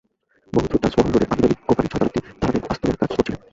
মোহাম্মদপুর তাজমহল রোডে আমিন-মোমিন কোম্পানির ছয়তলা একটা দালানে আস্তরের কাজ করছিলেন।